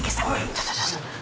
ちょっとちょっと。